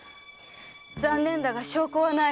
残念だが証拠はない。